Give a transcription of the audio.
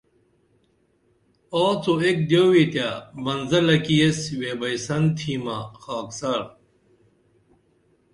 آڅو ایک دیوئی تے منزلہ کی ایس ویبئیسن تھیمہ خاکسار